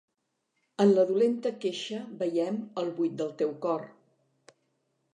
En la dolenta queixa veiem el buit del teu cor.